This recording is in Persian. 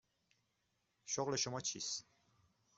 شغل شما چیست؟